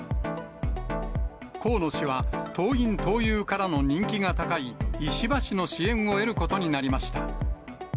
河野氏は、党員・党友からの人気が高い石破氏の支援を得ることになりました。